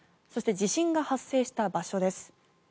そして地震が発生した場所です。